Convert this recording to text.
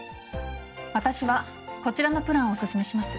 私はこちらのプランをおすすめします。